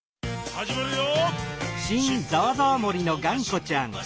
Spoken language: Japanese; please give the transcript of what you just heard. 「はじまるよ！」